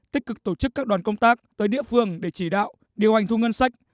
tích cực tổ chức các đoàn công tác tới địa phương để chỉ đạo điều hành thu ngân sách